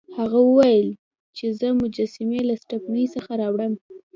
هغه وویل چې زه مجسمې له سټپني څخه راوړم.